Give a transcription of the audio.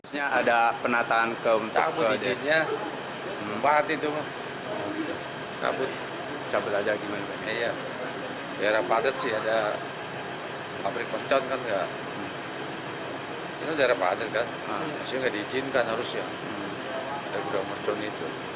ini daerah padat kan seharusnya tidak diizinkan harusnya